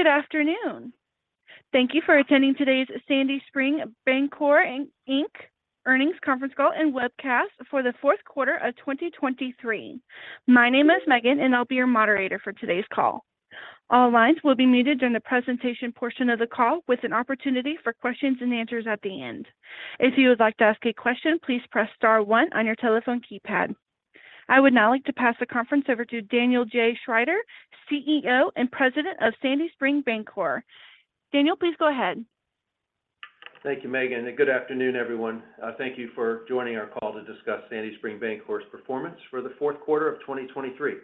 Good afternoon! Thank you for attending today's Sandy Spring Bancorp, Inc. Earnings Conference Call and Webcast for the fourth quarter of 2023. My name is Megan, and I'll be your moderator for today's call. All lines will be muted during the presentation portion of the call, with an opportunity for questions and answers at the end. If you would like to ask a question, please press star one on your telephone keypad. I would now like to pass the conference over to Daniel J. Schrider, CEO and President of Sandy Spring Bancorp. Daniel, please go ahead. Thank you, Megan, and good afternoon, everyone. Thank you for joining our call to discuss Sandy Spring Bancorp's performance for the fourth quarter of 2023.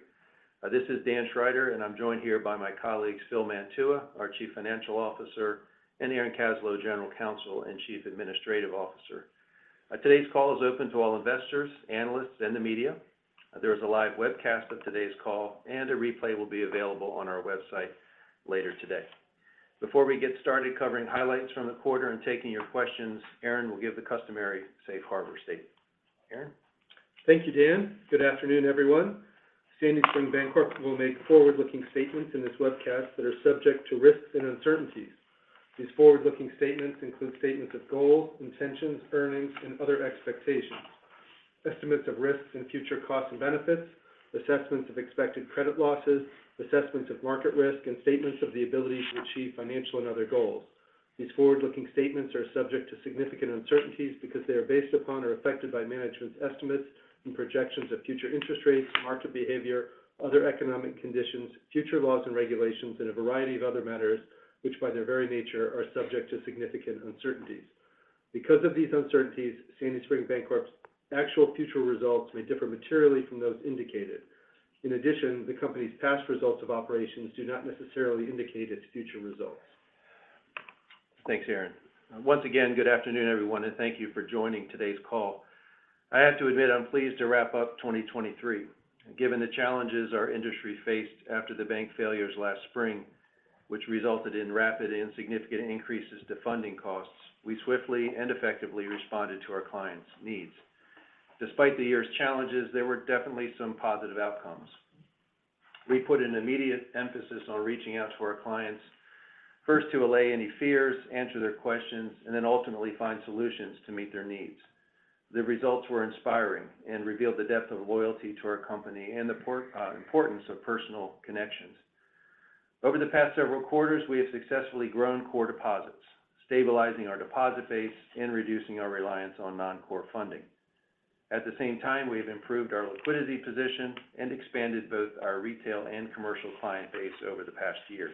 This is Dan Schrider, and I'm joined here by my colleagues, Phil Mantua, our Chief Financial Officer, and Aaron Kaslow, General Counsel and Chief Administrative Officer. Today's call is open to all investors, analysts, and the media. There is a live webcast of today's call, and a replay will be available on our website later today. Before we get started covering highlights from the quarter and taking your questions, Aaron will give the customary safe harbor statement. Aaron? Thank you, Dan. Good afternoon, everyone. Sandy Spring Bancorp will make forward-looking statements in this webcast that are subject to risks and uncertainties. These forward-looking statements include statements of goals, intentions, earnings, and other expectations, estimates of risks and future costs and benefits, assessments of expected credit losses, assessments of market risk, and statements of the ability to achieve financial and other goals. These forward-looking statements are subject to significant uncertainties because they are based upon or affected by management's estimates and projections of future interest rates, market behavior, other economic conditions, future laws and regulations, and a variety of other matters, which, by their very nature, are subject to significant uncertainties. Because of these uncertainties, Sandy Spring Bancorp's actual future results may differ materially from those indicated. In addition, the Company's past results of operations do not necessarily indicate its future results. Thanks, Aaron. Once again, good afternoon, everyone, and thank you for joining today's call. I have to admit I'm pleased to wrap up 2023. Given the challenges our industry faced after the bank failures last spring, which resulted in rapid and significant increases to funding costs, we swiftly and effectively responded to our clients' needs. Despite the year's challenges, there were definitely some positive outcomes. We put an immediate emphasis on reaching out to our clients, first to allay any fears, answer their questions, and then ultimately find solutions to meet their needs. The results were inspiring and revealed the depth of loyalty to our company and the importance of personal connections. Over the past several quarters, we have successfully grown core deposits, stabilizing our deposit base and reducing our reliance on non-core funding. At the same time, we have improved our liquidity position and expanded both our retail and commercial client base over the past year.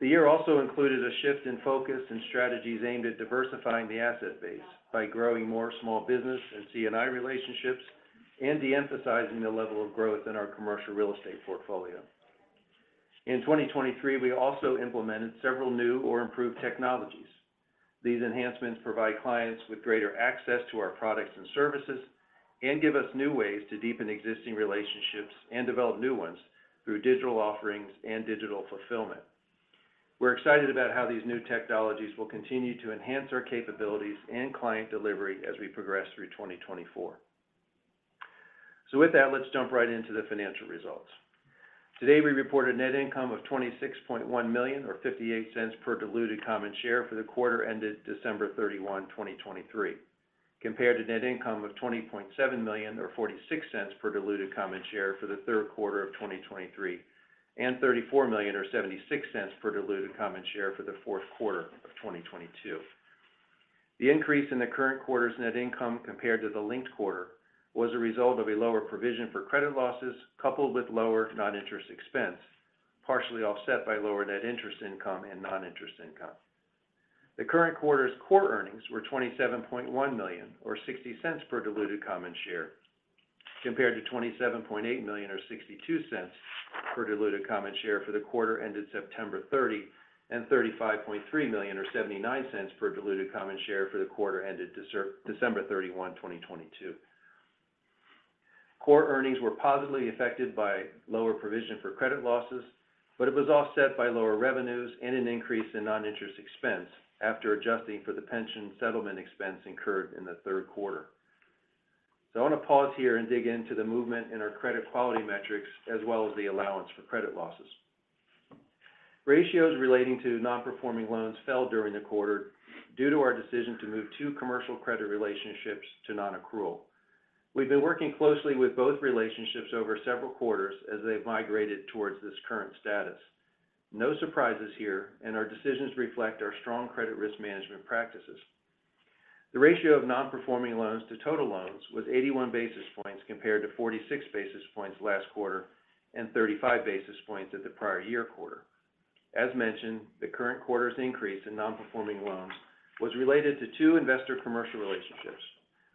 The year also included a shift in focus and strategies aimed at diversifying the asset base by growing more small business and C&I relationships and de-emphasizing the level of growth in our commercial real estate portfolio. In 2023, we also implemented several new or improved technologies. These enhancements provide clients with greater access to our products and services and give us new ways to deepen existing relationships and develop new ones through digital offerings and digital fulfillment. We're excited about how these new technologies will continue to enhance our capabilities and client delivery as we progress through 2024. So with that, let's jump right into the financial results. Today, we reported net income of $26.1 million or $0.58 per diluted common share for the quarter ended December 31, 2023, compared to net income of $20.7 million or $0.46 per diluted common share for the third quarter of 2023, and $34 million or $0.76 per diluted common share for the fourth quarter of 2022. The increase in the current quarter's net income compared to the linked quarter was a result of a lower provision for credit losses, coupled with lower non-interest expense, partially offset by lower net interest income and non-interest income. The current quarter's core earnings were $27.1 million or $0.60 per diluted common share, compared to $27.8 million or $0.62 per diluted common share for the quarter ended September 30, and $35.3 million or $0.79 per diluted common share for the quarter ended December 31, 2022. Core earnings were positively affected by lower provision for credit losses, but it was offset by lower revenues and an increase in non-interest expense after adjusting for the pension settlement expense incurred in the third quarter. So I want to pause here and dig into the movement in our credit quality metrics, as well as the allowance for credit losses. Ratios relating to non-performing loans fell during the quarter due to our decision to move two commercial credit relationships to non-accrual. We've been working closely with both relationships over several quarters as they've migrated towards this current status. No surprises here, and our decisions reflect our strong credit risk management practices. The ratio of non-performing loans to total loans was 81 basis points, compared to 46 basis points last quarter and 35 basis points at the prior year quarter. As mentioned, the current quarter's increase in non-performing loans was related to two investor commercial relationships,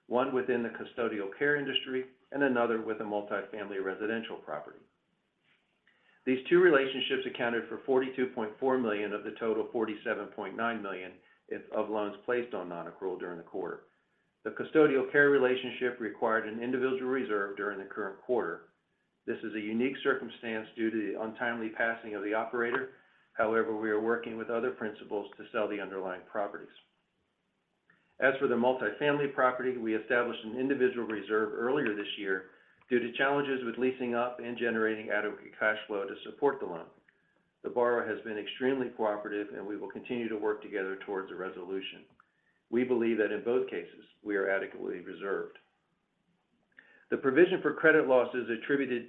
one within the custodial care industry and another with a multifamily residential property. These two relationships accounted for $42.4 million of the total $47.9 million of loans placed on non-accrual during the quarter. The custodial care relationship required an individual reserve during the current quarter. This is a unique circumstance due to the untimely passing of the operator. However, we are working with other principals to sell the underlying properties. As for the multifamily property, we established an individual reserve earlier this year due to challenges with leasing up and generating adequate cash flow to support the loan. The borrower has been extremely cooperative, and we will continue to work together towards a resolution. We believe that in both cases, we are adequately reserved. The provision for credit losses attributed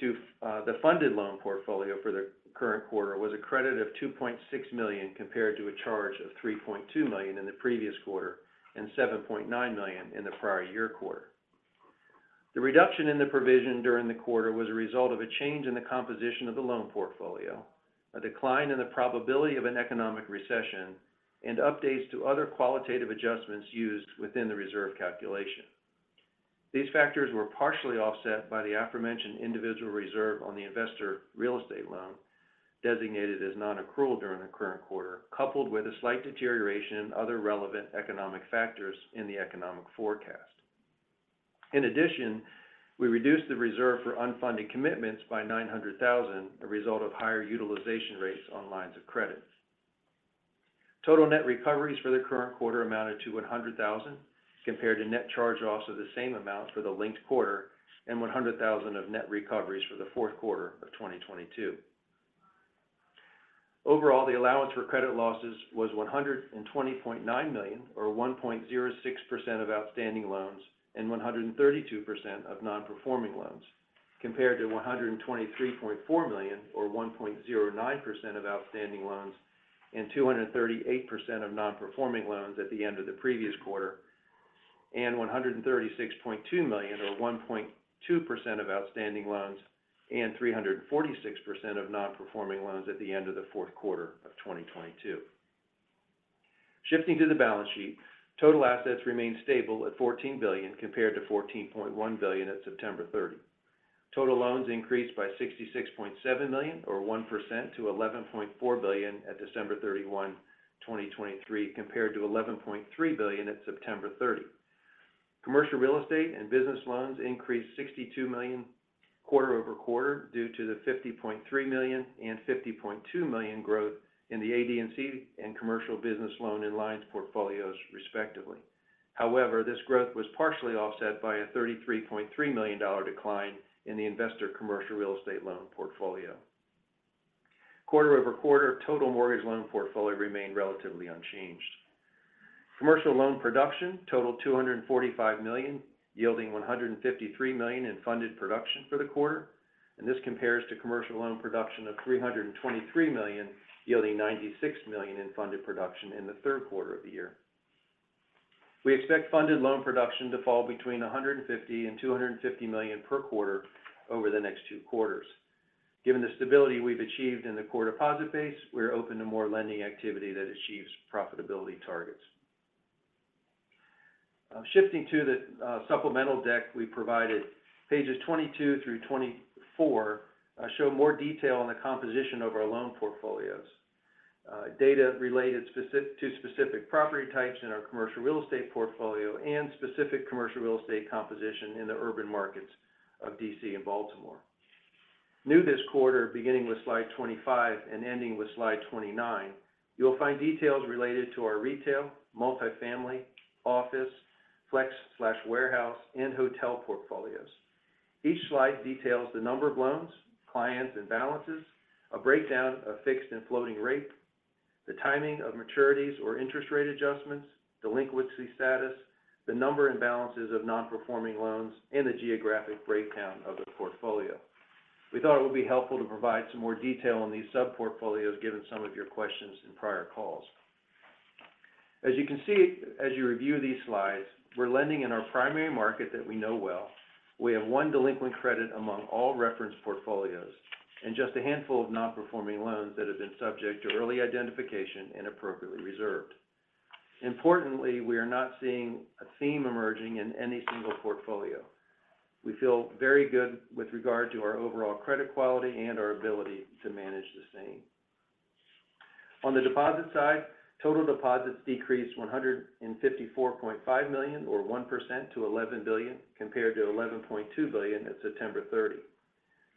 to the funded loan portfolio for the current quarter was a credit of $2.6 million, compared to a charge of $3.2 million in the previous quarter and $7.9 million in the prior year quarter. The reduction in the provision during the quarter was a result of a change in the composition of the loan portfolio, a decline in the probability of an economic recession, and updates to other qualitative adjustments used within the reserve calculation. These factors were partially offset by the aforementioned individual reserve on the investor real estate loan, designated as non-accrual during the current quarter, coupled with a slight deterioration in other relevant economic factors in the economic forecast. In addition, we reduced the reserve for unfunded commitments by $900,000, a result of higher utilization rates on lines of credit. Total net recoveries for the current quarter amounted to $100,000, compared to net charge-offs of the same amount for the linked quarter and $100,000 of net recoveries for the fourth quarter of 2022. Overall, the allowance for credit losses was $120.9 million, or 1.06% of outstanding loans, and 132% of non-performing loans, compared to $123.4 million, or 1.09% of outstanding loans, and 238% of non-performing loans at the end of the previous quarter, and $136.2 million, or 1.2% of outstanding loans, and 346% of non-performing loans at the end of the fourth quarter of 2022. Shifting to the balance sheet, total assets remained stable at $14 billion, compared to $14.1 billion at September 30. Total loans increased by $66.7 million, or 1%, to $11.4 billion at December 31, 2023, compared to $11.3 billion at September 30. Commercial real estate and business loans increased $62 million quarter-over-quarter due to the $50.3 million and $50.2 million growth in the AD&C and commercial business loan and lines portfolios, respectively. However, this growth was partially offset by a $33.3 million decline in the investor commercial real estate loan portfolio. Quarter-over-quarter, total mortgage loan portfolio remained relatively unchanged. Commercial loan production totaled $245 million, yielding $153 million in funded production for the quarter, and this compares to commercial loan production of $323 million, yielding $96 million in funded production in the third quarter of the year. We expect funded loan production to fall between $150 million and $250 million per quarter over the next two quarters. Given the stability we've achieved in the core deposit base, we're open to more lending activity that achieves profitability targets. Shifting to the supplemental deck we provided, pages 22 through 24 show more detail on the composition of our loan portfolios. Data related to specific property types in our commercial real estate portfolio and specific commercial real estate composition in the urban markets of D.C. and Baltimore. New this quarter, beginning with slide 25 and ending with slide 29, you'll find details related to our retail, multifamily, office, flex/warehouse, and hotel portfolios. Each slide details the number of loans, clients, and balances, a breakdown of fixed and floating rate, the timing of maturities or interest rate adjustments, delinquency status, the number and balances of non-performing loans, and the geographic breakdown of the portfolio. We thought it would be helpful to provide some more detail on these sub-portfolios, given some of your questions in prior calls. As you can see, as you review these slides, we're lending in our primary market that we know well. We have one delinquent credit among all referenced portfolios and just a handful of non-performing loans that have been subject to early identification and appropriately reserved. Importantly, we are not seeing a theme emerging in any single portfolio. We feel very good with regard to our overall credit quality and our ability to manage the same. On the deposit side, total deposits decreased $154.5 million, or 1%, to $11 billion, compared to $11.2 billion at September 30.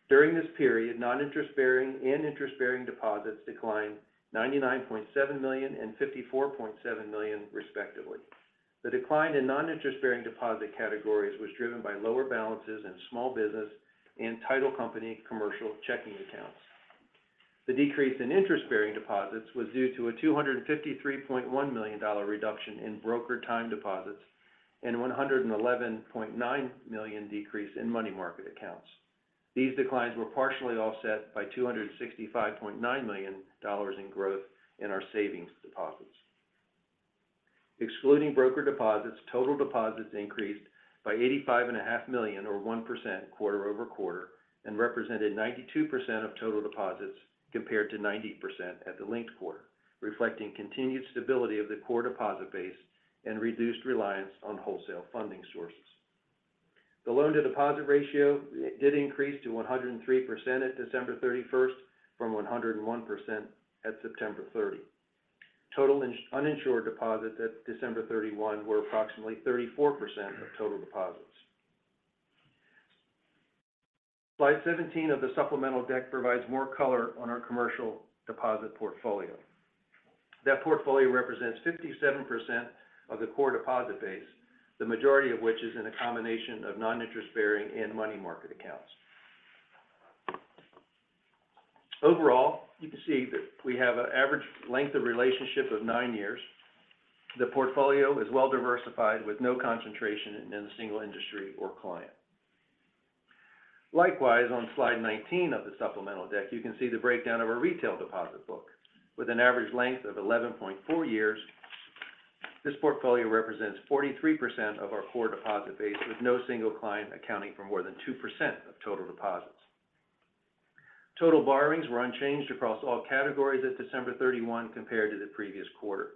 During this period, non-interest-bearing and interest-bearing deposits declined $99.7 million and $54.7 million, respectively. The decline in non-interest-bearing deposit categories was driven by lower balances in small business and title company commercial checking accounts. The decrease in interest-bearing deposits was due to a $253.1 million reduction in brokered time deposits and $111.9 million decrease in money market accounts. These declines were partially offset by $265.9 million in growth in our savings deposits. Excluding brokered deposits, total deposits increased by $85.5 million, or 1% quarter-over-quarter, and represented 92% of total deposits, compared to 90% at the linked quarter, reflecting continued stability of the core deposit base and reduced reliance on wholesale funding sources. The loan-to-deposit ratio did increase to 103% at December 31st from 101% at September 30. Total uninsured deposits at December 31 were approximately 34% of total deposits. Slide 17 of the supplemental deck provides more color on our commercial deposit portfolio. That portfolio represents 57% of the core deposit base, the majority of which is in a combination of non-interest-bearing and money market accounts. Overall, you can see that we have an average length of relationship of nine years. The portfolio is well diversified, with no concentration in any single industry or client. Likewise, on slide 19 of the supplemental deck, you can see the breakdown of our retail deposit book. With an average length of 11.4 years, this portfolio represents 43% of our core deposit base, with no single client accounting for more than 2% of total deposits. Total borrowings were unchanged across all categories at December 31 compared to the previous quarter.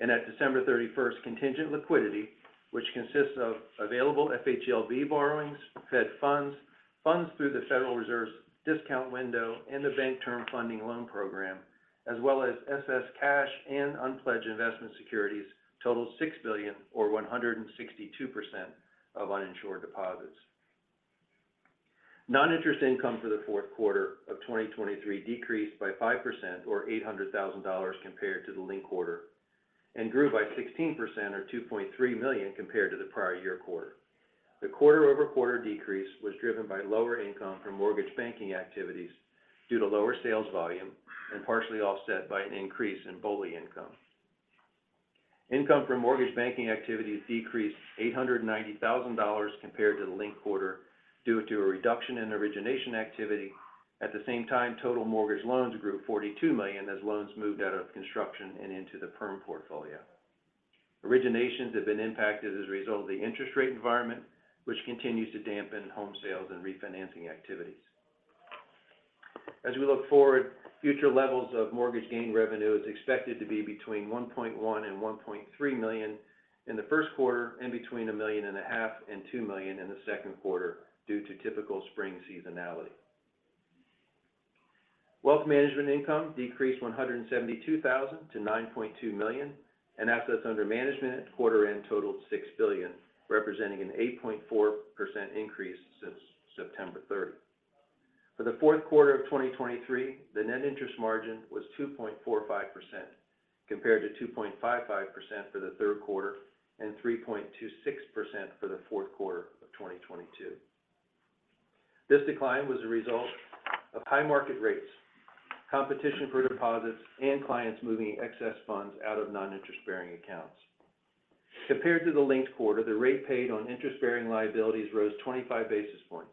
At December 31st, contingent liquidity, which consists of available Federal Home Loan Bank borrowings, Fed funds, funds through the Federal Reserve's discount window, and the Bank Term Funding Program, as well as excess cash and unpledged investment securities, totaled $6 billion or 162% of uninsured deposits. Non-interest income for the fourth quarter of 2023 decreased by 5% or $800,000 compared to the linked quarter, and grew by 16% or $2.3 million compared to the prior year quarter. The quarter-over-quarter decrease was driven by lower income from mortgage banking activities due to lower sales volume and partially offset by an increase in BOLI income. Income from mortgage banking activities decreased $890,000 compared to the linked quarter due to a reduction in origination activity. At the same time, total mortgage loans grew $42 million as loans moved out of construction and into the perm portfolio. Originations have been impacted as a result of the interest rate environment, which continues to dampen home sales and refinancing activities. As we look forward, future levels of mortgage gain revenue is expected to be between $1.1 million and $1.3 million in the first quarter, and between $1.5 million and $2 million in the second quarter due to typical spring seasonality. Wealth management income decreased $172,000 to $9.2 million, and assets under management at quarter end totaled $6 billion, representing an 8.4% increase since September 30. For the fourth quarter of 2023, the net interest margin was 2.45%, compared to 2.55% for the third quarter and 3.26% for the fourth quarter of 2022. This decline was a result of high market rates, competition for deposits, and clients moving excess funds out of non-interest bearing accounts. Compared to the linked quarter, the rate paid on interest-bearing liabilities rose 25 basis points,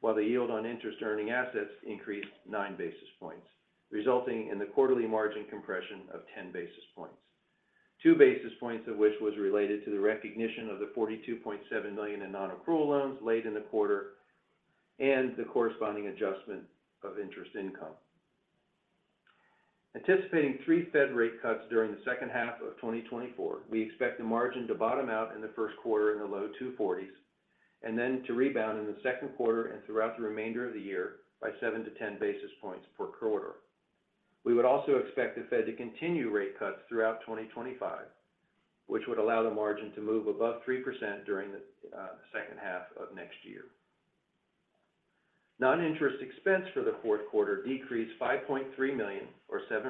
while the yield on interest earning assets increased 9 basis points, resulting in the quarterly margin compression of 10 basis points. Two basis points of which was related to the recognition of the $42.7 million in non-accrual loans late in the quarter, and the corresponding adjustment of interest income. Anticipating 3 Fed rate cuts during the second half of 2024, we expect the margin to bottom out in the first quarter in the low 240s, and then to rebound in the second quarter and throughout the remainder of the year by 7-10 basis points per quarter. We would also expect the Fed to continue rate cuts throughout 2025, which would allow the margin to move above 3% during the second half of next year. Non-interest expense for the fourth quarter decreased $5.3 million or 7%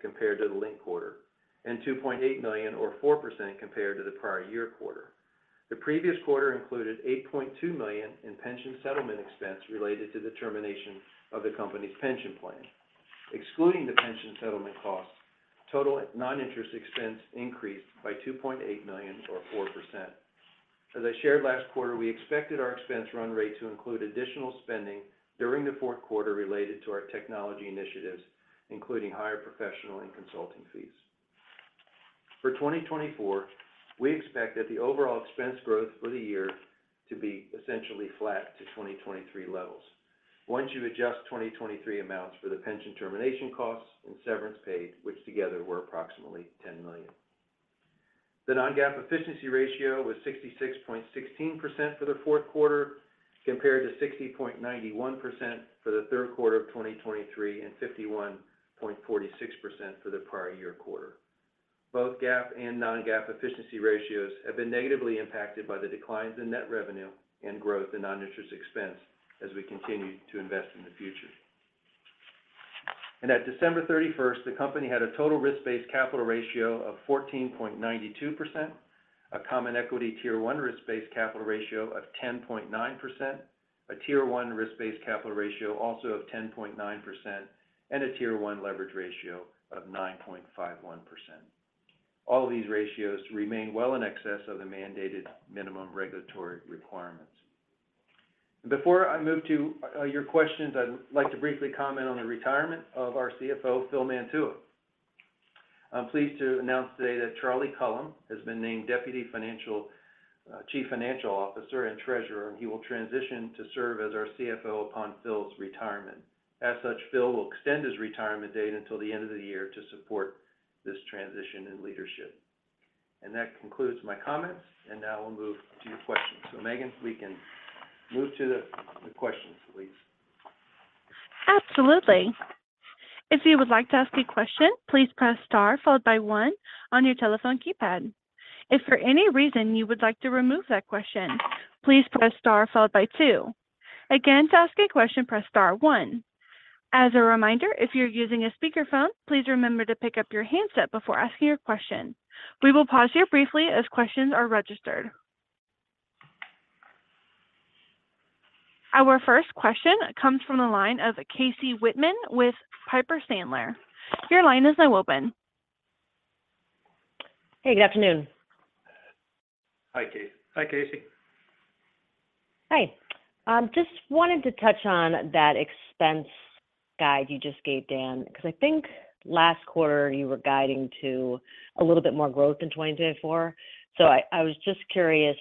compared to the linked quarter, and $2.8 million or 4% compared to the prior year quarter. The previous quarter included $8.2 million in pension settlement expense related to the termination of the company's pension plan. Excluding the pension settlement costs, total non-interest expense increased by $2.8 million or 4%. As I shared last quarter, we expected our expense run rate to include additional spending during the fourth quarter related to our technology initiatives, including higher professional and consulting fees. For 2024, we expect that the overall expense growth for the year to be essentially flat to 2023 levels once you adjust 2023 amounts for the pension termination costs and severance paid, which together were approximately $10 million. The non-GAAP efficiency ratio was 66.16% for the fourth quarter, compared to 60.91% for the third quarter of 2023, and 51.46% for the prior year quarter. Both GAAP and non-GAAP efficiency ratios have been negatively impacted by the declines in net revenue and growth in non-interest expense as we continue to invest in the future. At December 31st, the company had a total risk-based capital ratio of 14.92%, a Common Equity Tier 1 risk-based capital ratio of 10.9%, a Tier 1 risk-based capital ratio also of 10.9%, and a Tier 1 leverage ratio of 9.51%. All of these ratios remain well in excess of the mandated minimum regulatory requirements. Before I move to your questions, I'd like to briefly comment on the retirement of our CFO, Phil Mantua. I'm pleased to announce today that Charlie Cullum has been named Deputy Chief Financial Officer and Treasurer, and he will transition to serve as our CFO upon Phil's retirement. As such, Phil will extend his retirement date until the end of the year to support this transition in leadership. And that concludes my comments, and now we'll move to your questions. So Megan, we can move to the questions.... Absolutely. If you would like to ask a question, please press star followed by one on your telephone keypad. If for any reason you would like to remove that question, please press star followed by two. Again, to ask a question, press star one. As a reminder, if you're using a speakerphone, please remember to pick up your handset before asking your question. We will pause here briefly as questions are registered. Our first question comes from the line of Casey Whitman with Piper Sandler. Your line is now open. Hey, good afternoon. Hi, Casey. Hi, Casey. Hi. Just wanted to touch on that expense guide you just gave, Dan, because I think last quarter you were guiding to a little bit more growth in 2024. So I, I was just curious.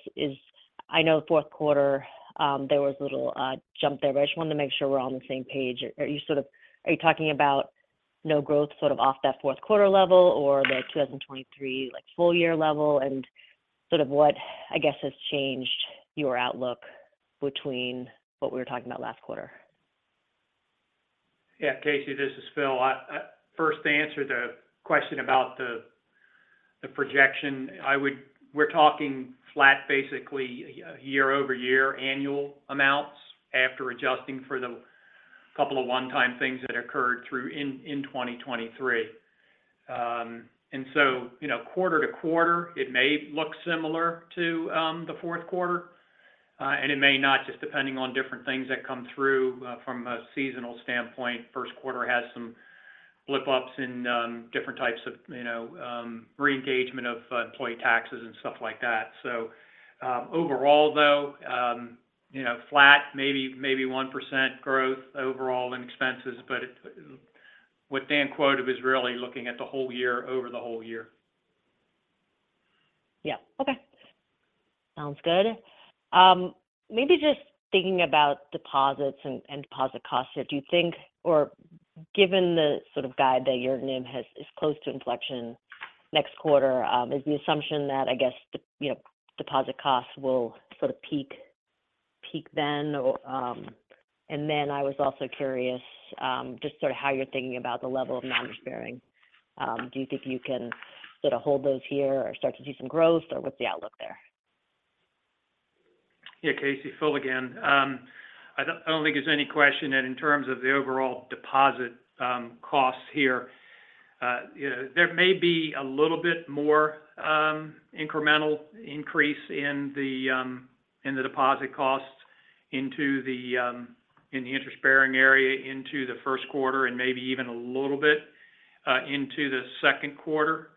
I know fourth quarter there was a little jump there, but I just wanted to make sure we're on the same page. Are you sort of talking about no growth, sort of off that fourth quarter level or the 2023, like, full year level? And sort of what, I guess, has changed your outlook between what we were talking about last quarter? Yeah, Casey, this is Phil. I-- First, to answer the question about the projection, I would-- we're talking flat, basically, year-over-year annual amounts after adjusting for the couple of one-time things that occurred in 2023. And so, you know, quarter-to-quarter, it may look similar to the fourth quarter, and it may not, just depending on different things that come through from a seasonal standpoint. First quarter has some blip-ups in different types of, you know, reengagement of employee taxes and stuff like that. So, overall, though, you know, flat maybe, maybe 1% growth overall in expenses, but it... What Dan quoted was really looking at the whole year over the whole year. Yeah. Okay. Sounds good. Maybe just thinking about deposits and deposit costs there, do you think—or given the sort of guide that your NIM has, is close to inflection next quarter, is the assumption that, I guess, the, you know, deposit costs will sort of peak, peak then? Or... And then I was also curious, just sort of how you're thinking about the level of non-interest-bearing. Do you think you can sort of hold those here or start to see some growth, or what's the outlook there? Yeah, Casey, Phil again. I don't, I don't think there's any question that in terms of the overall deposit costs here, you know, there may be a little bit more incremental increase in the deposit costs into the interest-bearing area into the first quarter and maybe even a little bit into the second quarter.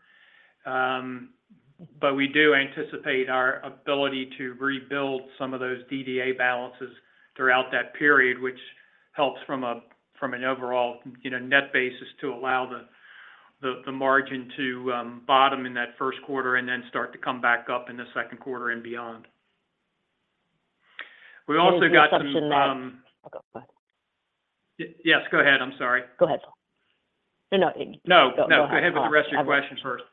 But we do anticipate our ability to rebuild some of those DDA balances throughout that period, which helps from an overall, you know, net basis to allow the margin to bottom in that first quarter and then start to come back up in the second quarter and beyond. We also got some, Okay, go ahead. Yes, go ahead. I'm sorry. Go ahead. No, no. No, no. Go ahead. Go ahead with the rest of your question first.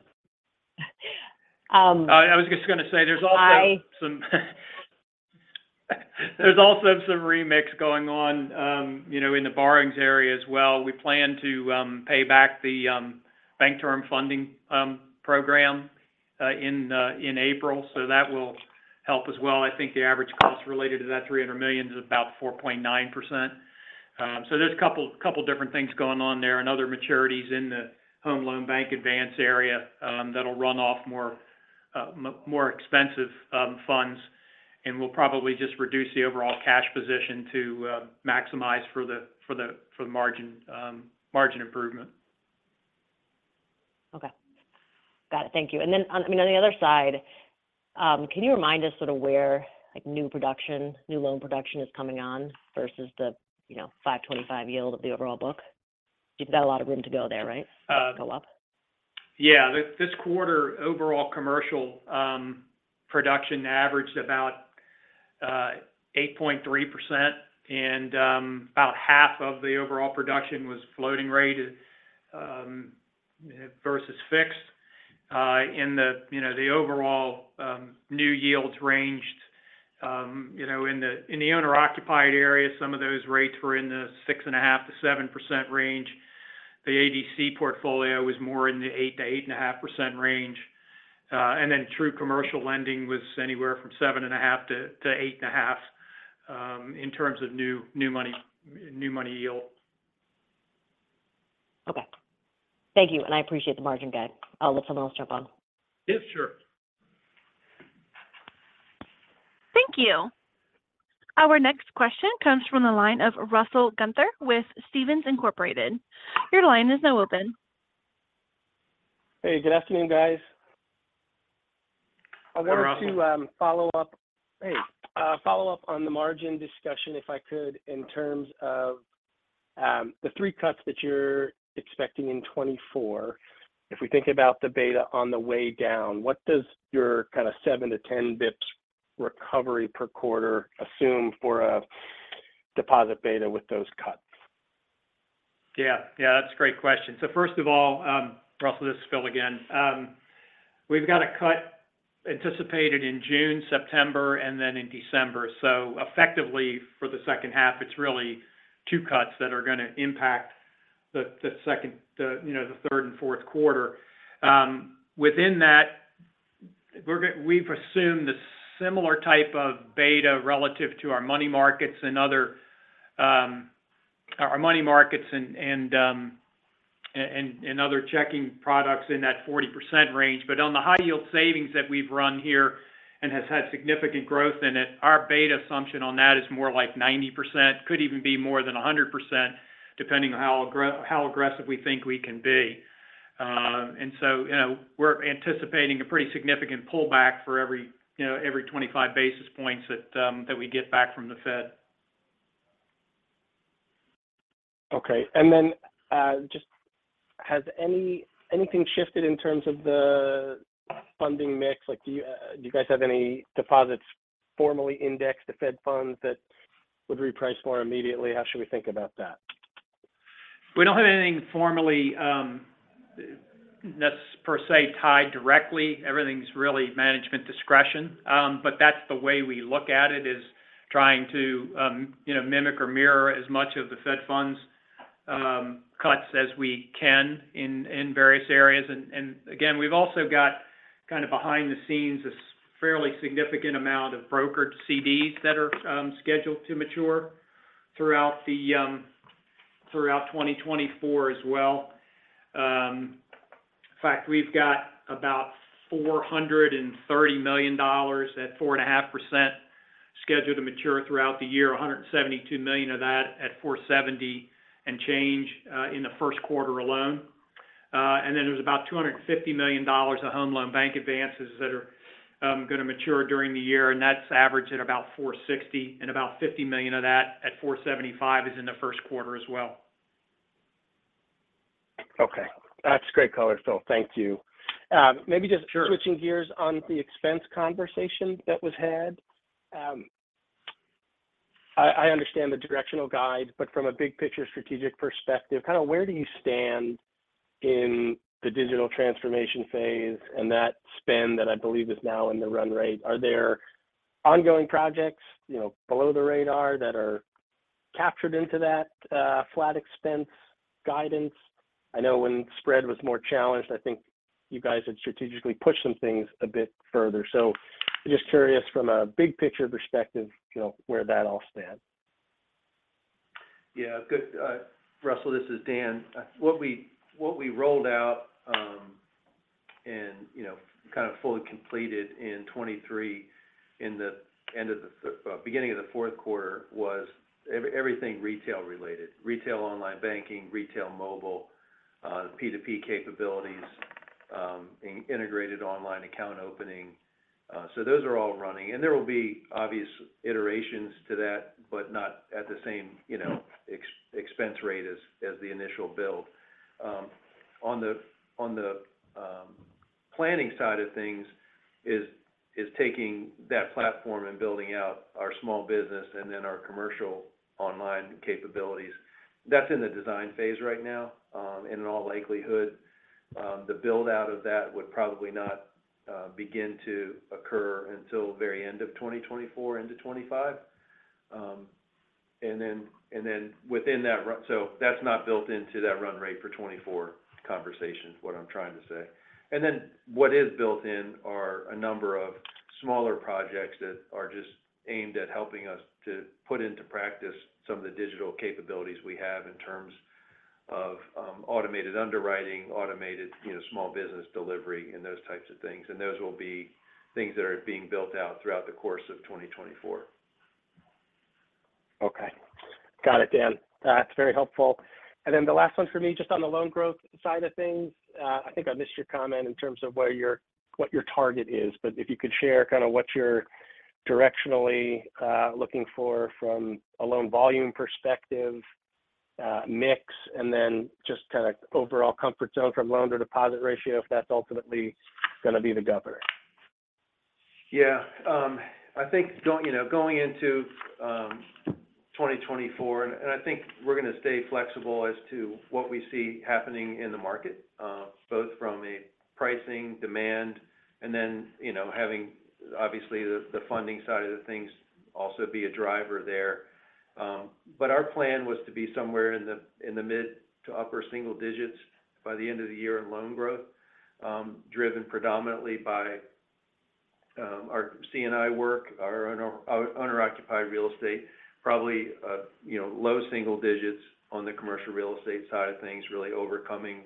Um- I was just gonna say there's also some remix going on, you know, in the borrowings area as well. We plan to pay back the Bank Term Funding Program in April, so that will help as well. I think the average cost related to that $300 million is about 4.9%. So there's a couple different things going on there, and other maturities in the Federal Home Loan Bank advance area, that'll run off more expensive funds. And we'll probably just reduce the overall cash position to maximize for the margin improvement. Okay. Got it. Thank you. And then on, I mean, on the other side, can you remind us sort of where, like, new production, new loan production is coming on versus the, you know, 5.25 yield of the overall book? You've got a lot of room to go there, right? Uh- Go up. Yeah. This, this quarter, overall commercial production averaged about eight point three percent, and about half of the overall production was floating rate versus fixed. In the, you know, the overall new yields ranged, you know, in the owner-occupied area, some of those rates were in the six and a half to seven percent range. The ADC portfolio was more in the eight to eight and a half percent range. And then true commercial lending was anywhere from seven and a half to eight and a half in terms of new money yield. Okay. Thank you, and I appreciate the margin guide. I'll let someone else jump on. Yeah, sure. Thank you. Our next question comes from the line of Russell Gunther with Stephens Inc. Your line is now open. Hey, good afternoon, guys. Hi, Russell. I wanted to follow up on the margin discussion, if I could, in terms of the 3 cuts that you're expecting in 2024. If we think about the beta on the way down, what does your kind of 7-10 bps recovery per quarter assume for a deposit beta with those cuts? Yeah, yeah, that's a great question. So first of all, Russell, this is Phil again. We've got a cut anticipated in June, September, and then in December. So effectively, for the second half, it's really two cuts that are gonna impact the second, you know, the third and fourth quarter. Within that, we've assumed a similar type of beta relative to our money markets and other checking products in that 40% range. But on the high-yield savings that we've run here, and has had significant growth in it, our beta assumption on that is more like 90%, could even be more than 100%, depending on how aggressive we think we can be. And so, you know, we're anticipating a pretty significant pullback for every, you know, every 25 basis points that that we get back from the Fed. Okay. And then, just has anything shifted in terms of the funding mix? Like, do you guys have any deposits formally indexed to Fed funds that would reprice more immediately? How should we think about that? We don't have anything formally, necessarily per se, tied directly. Everything's really management discretion. But that's the way we look at it, is trying to, you know, mimic or mirror as much of the Fed funds cuts as we can in various areas. And again, we've also got, kind of behind the scenes, a fairly significant amount of brokered CDs that are scheduled to mature throughout 2024 as well. In fact, we've got about $430 million at 4.5% scheduled to mature throughout the year, $172 million of that at 4.70% and change in the first quarter alone. and then there's about $250 million of Federal Home Loan Bank advances that are gonna mature during the year, and that's averaging about 4.60%, and about $50 million of that at 4.75% is in the first quarter as well. Okay. That's great color, Phil. Thank you. Maybe just- Sure... switching gears on the expense conversation that was had. I understand the directional guide, but from a big picture strategic perspective, kind of where do you stand in the digital transformation phase, and that spend that I believe is now in the run rate? Are there ongoing projects, you know, below the radar that are captured into that, flat expense guidance? I know when spread was more challenged, I think you guys had strategically pushed some things a bit further. So just curious from a big picture perspective, you know, where that all stand. Yeah, good. Russell, this is Dan. What we, what we rolled out, and, you know, kind of fully completed in 2023, in the end of the—beginning of the fourth quarter, was everything retail related. Retail online banking, retail mobile, P2P capabilities, integrated online account opening. So those are all running, and there will be obvious iterations to that, but not at the same, you know, expense rate as the initial build. On the planning side of things is taking that platform and building out our small business and then our commercial online capabilities. That's in the design phase right now. And in all likelihood, the build-out of that would probably not begin to occur until very end of 2024 into 2025. And then within that run—so that's not built into that run rate for 2024 conversation, is what I'm trying to say. And then what is built in are a number of smaller projects that are just aimed at helping us to put into practice some of the digital capabilities we have in terms of automated underwriting, automated, you know, small business delivery, and those types of things. And those will be things that are being built out throughout the course of 2024. Okay. Got it, Dan. That's very helpful. And then the last one for me, just on the loan growth side of things. I think I missed your comment in terms of what your target is, but if you could share kind of what you're directionally looking for from a loan volume perspective, mix, and then just kind of overall comfort zone from loan-to-deposit ratio, if that's ultimately gonna be the governor. Yeah. I think, you know, going into 2024, and I think we're gonna stay flexible as to what we see happening in the market, both from a pricing demand, and then, you know, having obviously the funding side of the things also be a driver there. But our plan was to be somewhere in the mid- to upper single digits by the end of the year in loan growth, driven predominantly by our C&I work, our owner-occupied real estate. Probably, you know, low single digits on the commercial real estate side of things, really overcoming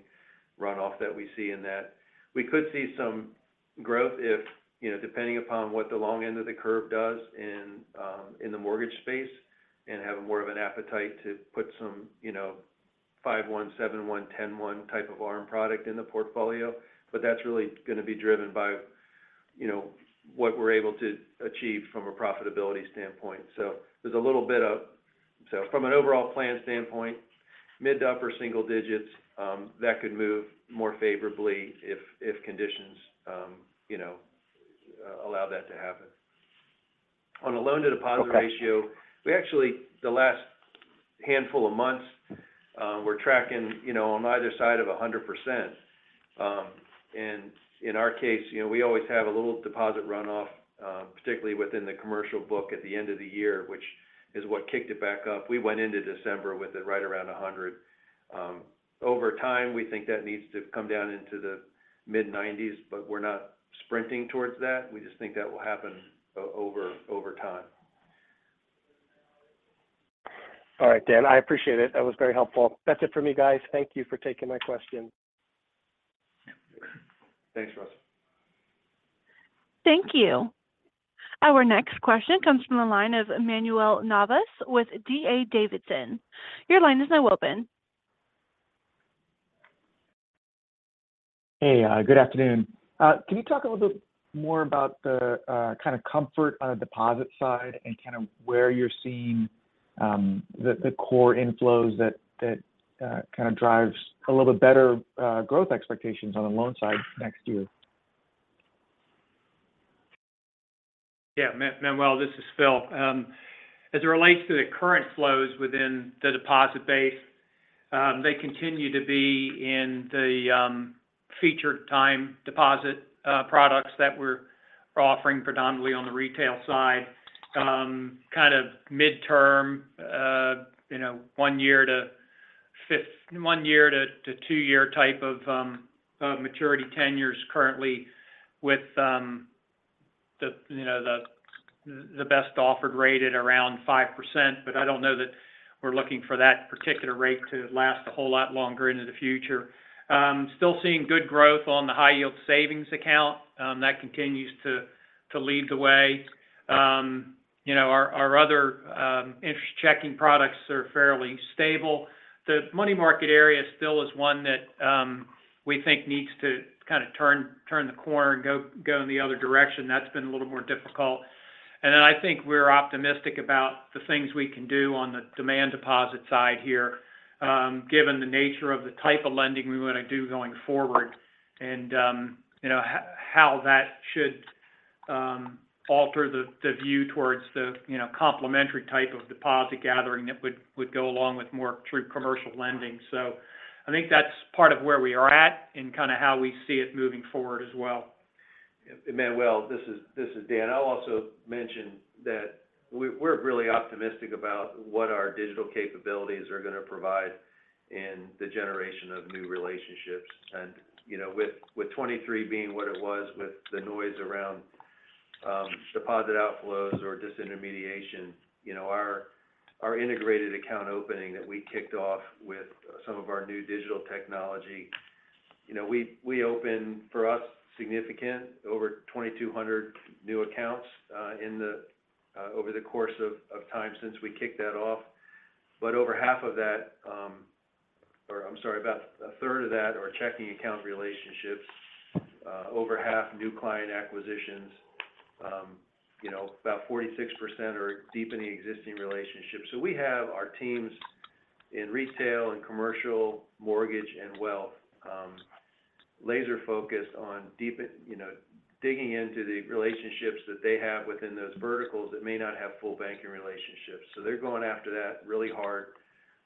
runoff that we see in that. We could see some growth if, you know, depending upon what the long end of the curve does in the mortgage space, and have more of an appetite to put some, you know, 5/1, 7/1, 10/1 type of ARM product in the portfolio. But that's really gonna be driven by, you know, what we're able to achieve from a profitability standpoint. So there's a little bit of so from an overall plan standpoint, mid to upper single digits, that could move more favorably if, if conditions, you know, allow that to happen on the loan-to-deposit ratio, we actually, the last handful of months, we're tracking, you know, on either side of 100%. In our case, you know, we always have a little deposit runoff, particularly within the commercial book at the end of the year, which is what kicked it back up. We went into December with it right around 100%. Over time, we think that needs to come down into the mid-90s%, but we're not sprinting towards that. We just think that will happen over time. All right, Dan, I appreciate it. That was very helpful. That's it for me, guys. Thank you for taking my question. Thanks, Russ. Thank you. Our next question comes from the line of Manuel Navas with D.A. Davidson. Your line is now open. Hey, good afternoon. Can you talk a little bit more about the kind of comfort on the deposit side and kind of where you're seeing the core inflows that kind of drives a little bit better growth expectations on the loan side next year? Yeah, Manuel, this is Phil. As it relates to the current flows within the deposit base, they continue to be in the featured time deposit products that we're offering predominantly on the retail side. Kind of midterm, you know, one year to two-year type of maturity tenures currently with the best offered rate at around 5%. But I don't know that we're looking for that particular rate to last a whole lot longer into the future. Still seeing good growth on the high yield savings account. That continues to lead the way. You know, our other interest checking products are fairly stable. The money market area still is one that we think needs to kind of turn the corner and go in the other direction. That's been a little more difficult. And then, I think we're optimistic about the things we can do on the demand deposit side here, given the nature of the type of lending we want to do going forward, and you know, how that should alter the view towards the you know, complementary type of deposit gathering that would go along with more true commercial lending. So I think that's part of where we are at and kind of how we see it moving forward as well. Manuel, this is Dan. I'll also mention that we're really optimistic about what our digital capabilities are going to provide in the generation of new relationships. And, you know, with 2023 being what it was, with the noise around deposit outflows or disintermediation, you know, our integrated account opening that we kicked off with some of our new digital technology. You know, we opened, for us, significant, over 2,200 new accounts in the over the course of time since we kicked that off. But over half of that, or I'm sorry, about a third of that are checking account relationships. Over half new client acquisitions, you know, about 46% are deepening existing relationships. So we have our teams in retail and commercial, mortgage and wealth, laser focused on you know, digging into the relationships that they have within those verticals that may not have full banking relationships. So they're going after that really hard.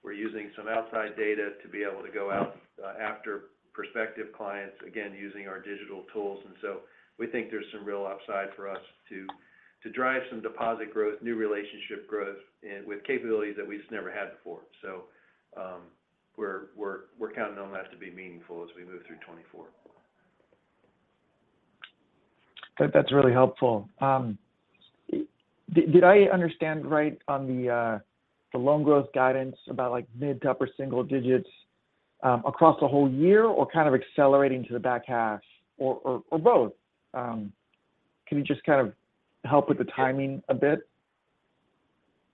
We're using some outside data to be able to go out after prospective clients, again, using our digital tools. And so we think there's some real upside for us to drive some deposit growth, new relationship growth, and with capabilities that we just never had before. So we're counting on that to be meaningful as we move through 2024. That, that's really helpful. Did I understand right on the loan growth guidance about, like, mid to upper single digits, across the whole year, or kind of accelerating to the back half or both? Can you just kind of help with the timing a bit?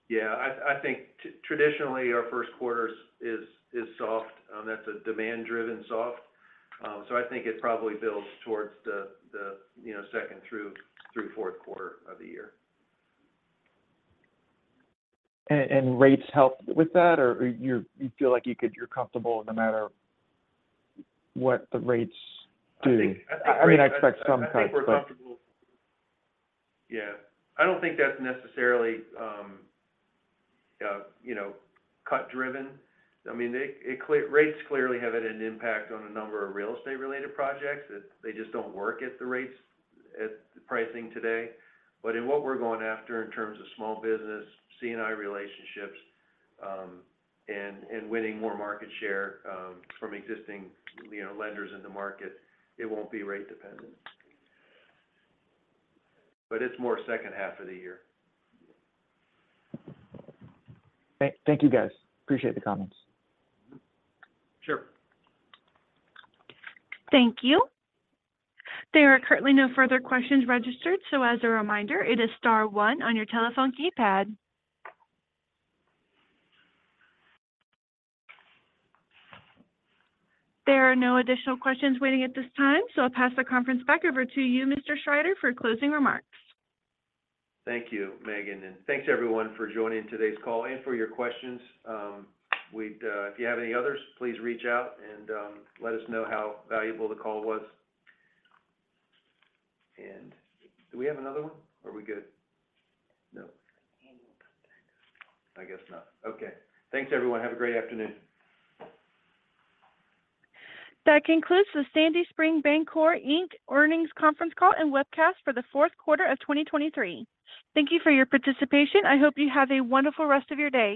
Yeah, I think traditionally, our first quarter is soft, that's a demand-driven soft. So I think it probably builds towards the, you know, second through fourth quarter of the year. And rates help with that? Or you're comfortable no matter what the rates do? I think- I mean, I expect some type, but- I think we're comfortable. Yeah, I don't think that's necessarily, you know, cut driven. I mean, rates clearly have had an impact on a number of real estate-related projects, that they just don't work at the rates, at the pricing today. But in what we're going after in terms of small business, C&I relationships, and winning more market share, from existing, you know, lenders in the market, it won't be rate dependent. But it's more second half of the year. Thank you, guys. Appreciate the comments. Mm-hmm. Sure. Thank you. There are currently no further questions registered, so as a reminder, it is star one on your telephone keypad. There are no additional questions waiting at this time, so I'll pass the conference back over to you, Mr. Schrider, for closing remarks. Thank you, Megan, and thanks everyone for joining today's call and for your questions. If you have any others, please reach out and let us know how valuable the call was. Do we have another one, or are we good? No. I guess not. Okay. Thanks, everyone. Have a great afternoon. That concludes the Sandy Spring Bancorp, Inc. earnings conference call and webcast for the fourth quarter of 2023. Thank you for your participation. I hope you have a wonderful rest of your day.